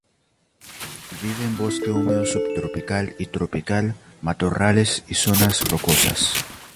Vive en bosque húmedo subtropical y tropical, matorrales y zonas rocosas.